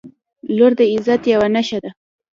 • لور د عزت یوه نښه ده.